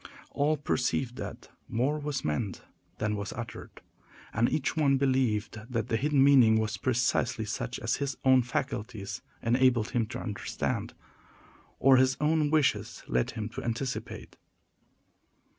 All perceived that more was meant than was uttered, and each one believed that the hidden meaning was precisely such as his own faculties enabled him to understand, or his own wishes led him to anticipate.